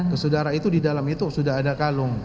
ke saudara itu di dalam itu sudah ada kalung